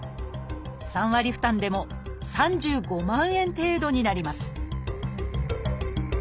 ３割負担でも３５万円程度になります